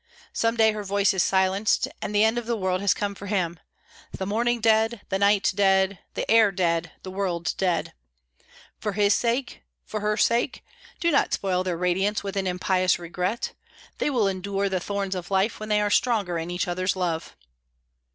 Some day her voice is silenced, and the end of the world has come for him the morning dead, the night dead, the air dead, the world dead. For his sake, for her sake, do not spoil their radiance with an impious regret. They will endure the thorns of life when they are stronger in each other's love.